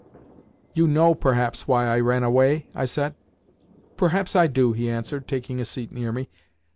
"You know, perhaps, why I ran away?" I said. "Perhaps I do," he answered, taking a seat near me.